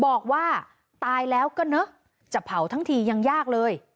บอกว่าตายแล้วก็เนอะจะเผาทั้งทียังยากเลย